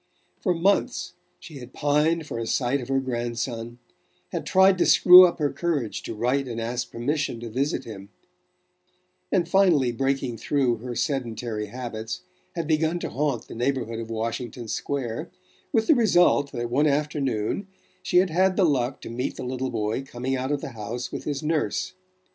For months she had pined for a sight of her grandson, had tried to screw up her courage to write and ask permission to visit him, and, finally breaking through her sedentary habits, had begun to haunt the neighbourhood of Washington Square, with the result that one afternoon she had had the luck to meet the little boy coming out of the house with his nurse.